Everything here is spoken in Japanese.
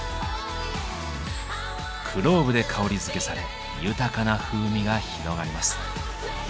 クローブで香りづけされ豊かな風味が広がります。